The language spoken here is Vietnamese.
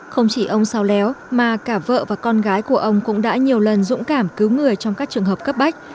không chỉ ông sao léo mà cả vợ và con gái của ông cũng đã nhiều lần dũng cảm cứu người trong các trường hợp cấp bách